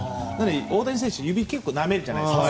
大谷選手、指を結構なめるじゃないですか。